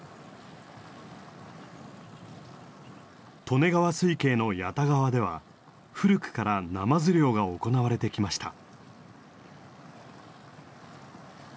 利根川水系の谷田川では古くからナマズ漁が行われてきました。